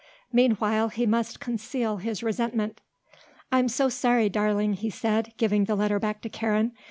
Meanwhile he must conceal his resentment. "I'm so sorry, darling," he said, giving the letter back to Karen.